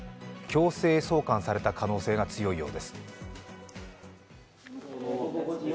強制送還された可能性が強いようです。